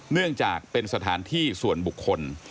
เนื่องจากเป็นสถานที่ส่วนบุคคล